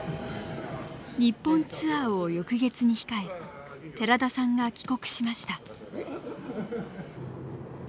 日本ツアーを翌月に控え寺田さんが帰国しました。